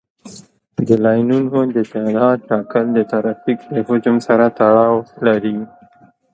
د لاینونو د تعداد ټاکل د ترافیک د حجم سره تړاو لري